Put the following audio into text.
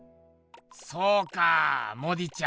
そうかモディちゃん